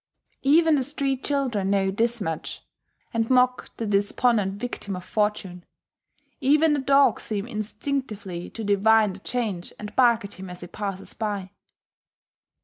Even the street children know this much, and mock the despondent victim of fortune; even the dogs seem instinctively to divine the change and bark at him as he passes by....